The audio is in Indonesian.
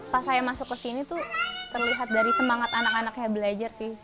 pas saya masuk ke sini tuh terlihat dari semangat anak anaknya belajar sih